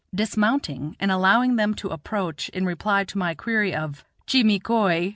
Dismounting, and allowing them to approach, in reply to my query of "Chi mi khoi?"